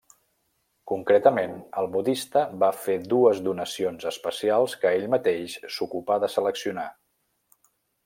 Concretament, el modista va fer dues donacions especials que ell mateix s'ocupà de seleccionar.